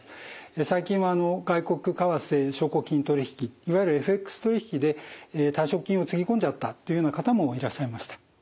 最近は外国為替証拠金取引いわゆるＦＸ取引で退職金をつぎ込んじゃったというような方もいらっしゃいました。